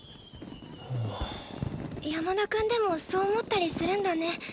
山田くんでもそう思ったりするんだね。